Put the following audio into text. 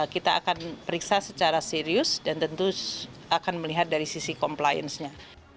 kita akan periksa secara serius dan tentu akan melihat dari sisi compliance nya